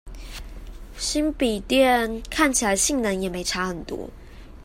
新筆電看起來性能也沒差很多